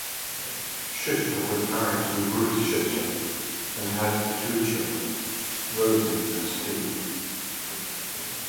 Shuster was married to Ruth Shuster and had two children: Rosie and Steve.